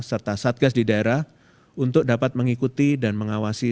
serta satgas di daerah untuk dapat mengikuti dan mengawasi